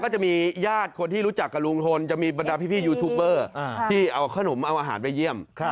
จะมีญาติคนที่รู้จักกับลุงพลจะมีบรรดาพี่ยูทูปเบอร์ที่เอาขนมเอาอาหารไปเยี่ยม